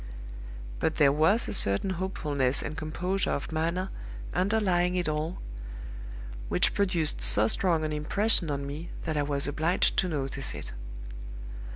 But there was a certain hopefulness and composure of manner underlying it all, which produced so strong an impression on me that I was obliged to notice it.